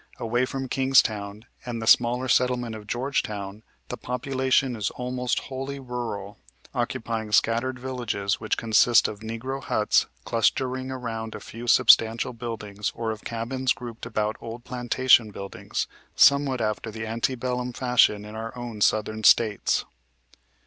Away from Kingstown, and the smaller settlement of Georgetown, the population is almost wholly rural, occupying scattered villages which consist of negro huts clustering around a few substantial buildings or of cabins grouped about old plantation buildings somewhat after the ante bellum fashion in our own Southern States.